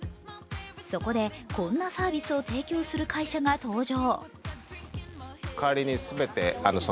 そこで、こんなサービスを提供する会社が登場。